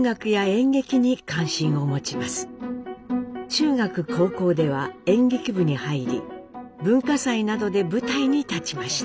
中学高校では演劇部に入り文化祭などで舞台に立ちました。